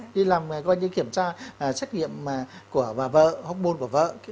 đi làm kiểm tra xét nghiệm của vợ hốc môn của vợ